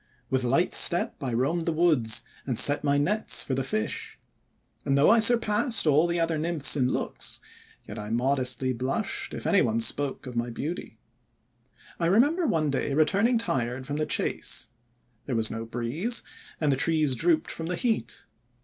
With light step I roamed the woods, and set my nets for the fish. And though I surpassed all the other Nymphs in looks, yet I modestly blushed if any one spoke of my beauty. ARETHUSA 149 "I remember one day returning tired from the chase. There was no breeze, and the trees drooped from the heat.